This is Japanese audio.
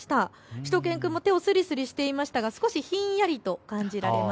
しゅと犬くんも手をすりすりしていましたが少しひんやりと感じられます。